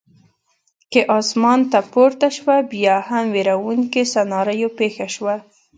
کې اسمان ته پورته شوه، بیا هم وېروونکې سناریو پېښه شوه.